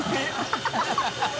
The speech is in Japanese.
ハハハ